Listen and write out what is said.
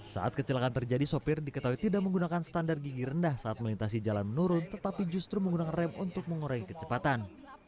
saat kecelakaan terjadi sopir diketahui tidak menggunakan standar gigi rendah saat melintasi jalan menurun tetapi justru menggunakan rem untuk mengurai kecepatan